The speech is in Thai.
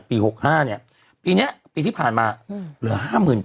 ปี๖๕เนี่ยปีนี้ปีที่ผ่านมาเหลือ๕๐๐๐